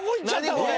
これ。